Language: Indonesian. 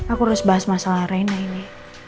aku harus bahas masalah reina ini